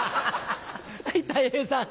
はいたい平さん。